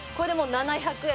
「７００円」